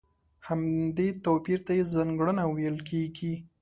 همدې توپير ته يې ځانګړنه ويل کېږي.